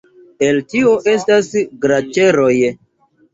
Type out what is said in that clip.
El tio estas glaĉeroj.